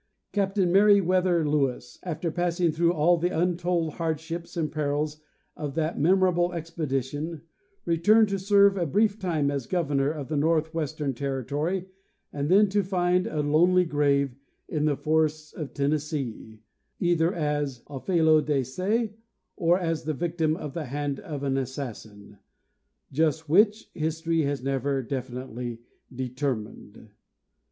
Captain Meriwether Lewis, after passing through all the untold hardships and perils of that memorable expedition, returned to serve a brief time as governor of the northwestern territory, and then to find a lonely grave in the forests of Tennessee, either as a felo de se or as the victim of the hand of an assassin ; just which, history has never definitely determined.